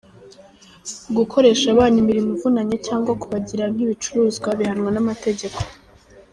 Gukoresha abana imirimo ivunanye cyangwa kubagira nk’ibicuruzwa bihanwa n’amategeko.